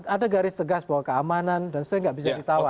ada garis tegas bahwa keamanan dan sebagainya tidak bisa ditawar